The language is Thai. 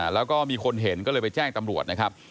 แล้วก็มีคนเห็นก็เลยไปแจ้งตำรวจนะครับ